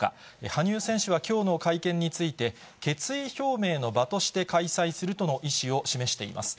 羽生選手はきょうの会見について、決意表明の場として開催するとの意思を示しています。